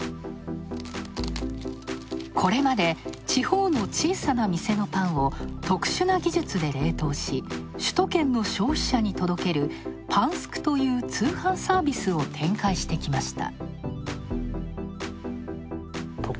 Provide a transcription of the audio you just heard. これまで、地方の小さな店のパンを特殊な技術で冷凍し、首都圏の消費者に届けるパンスクという通販サービスを展開してきました。